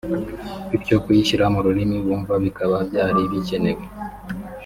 bityo kuyishyira mu rurimi bumva bikaba byari bikenewe